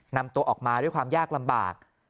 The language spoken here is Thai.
นำตัวออกมาด้วยความยากลำบาก